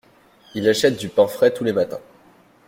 Il achète du pain frais tous les matins.